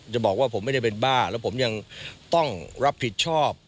บอกว่าผมไม่ได้เป็นบ้าแล้วผมยังต้องรับผิดชอบ